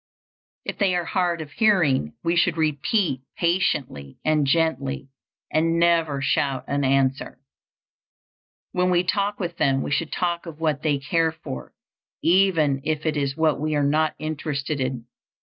If they are hard of hearing, we should repeat patiently and gently and never shout an answer. When we talk with them we should talk of what they care for, even if it is what we are not interested in.